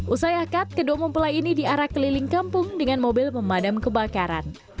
usayakat kedua mempelai ini di arah keliling kampung dengan mobil pemadam kebakaran